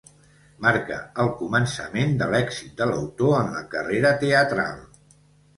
Marca el començament de l'èxit de l'autor en la carrera teatral.